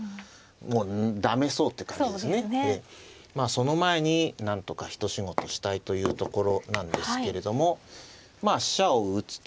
その前になんとか一仕事したいというところなんですけれどもまあ飛車を打つと。